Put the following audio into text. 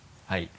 はい！